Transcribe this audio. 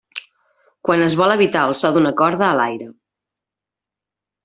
Quan es vol evitar el so d’una corda a l’aire.